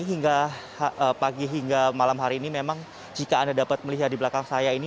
hingga pagi hingga malam hari ini memang jika anda dapat melihat di belakang saya ini